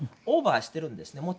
オーバーしているんですね。